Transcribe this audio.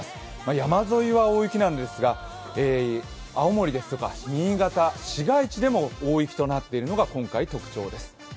山沿いは大雪なんですが青森ですとか新潟、市街地でも大雪となっているのが今回の特徴です。